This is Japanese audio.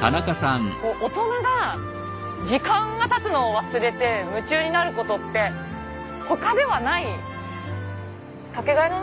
大人が時間がたつのを忘れて夢中になることって他ではないかけがえのない時間ですよね。